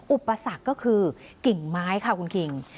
อุปสรรคก็คือกิ่งไม้ค่ะคุณคิง